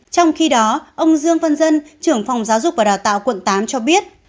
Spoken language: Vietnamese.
trong khi đó ông dương văn dân trưởng phòng giáo dục và đào tạo quận tám cho biết